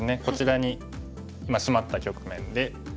こちらにシマった局面で。